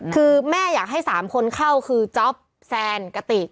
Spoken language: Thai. คือแม่อยากให้๓คนเข้าคือจ๊อปแซนกติก